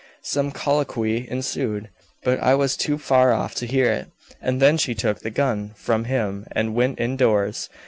Some colloquy ensued, but I was too far off to hear it; and then she took the gun from him and went indoors.